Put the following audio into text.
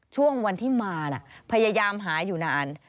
ช่วงวันที่มาพยายามหาอยู่นาน